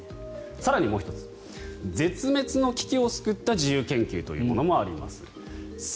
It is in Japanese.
更にもう１つ絶滅の危機を救った自由研究というものもあります。